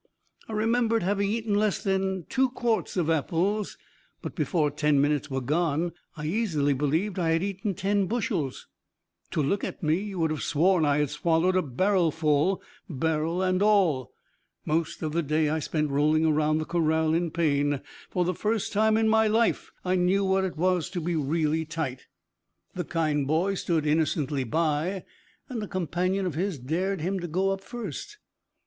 I remembered having eaten less than two quarts of apples, but before ten minutes were gone I easily believed I had eaten ten bushel. To look at me you would have sworn I had swallowed a barrelful, barrel and all. Most of the day, I spent rolling round the corral in pain. For the first time in my life I knew what it was to be really tight. The kind boy stood innocently by, and a companion of his dared him to go up first.